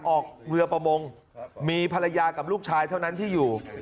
ออกเรือประมงมีภรรยากับลูกชายเท่านั้นที่อยู่